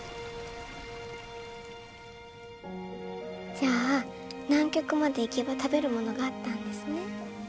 じゃあ南極まで行けば食べるものがあったんですね。